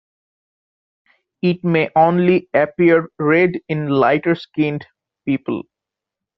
It may only appear red in lighter-skinned people.